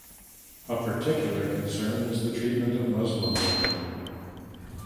A particular concern is the treatment of Muslim women.